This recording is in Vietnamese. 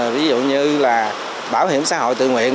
ví dụ như là bảo hiểm xã hội tự nguyện